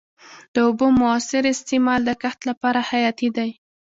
د اوبو موثر استعمال د کښت لپاره حیاتي دی.